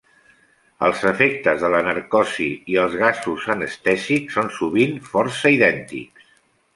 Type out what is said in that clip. Els efectes de la narcosi i els gasos anestèsics són sovint força idèntics.